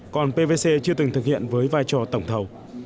còn pvc chưa từng thực hiện với vai trò tổng thầu